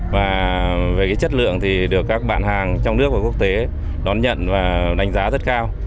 và về chất lượng thì được các bạn hàng trong nước và quốc tế đón nhận và đánh giá rất cao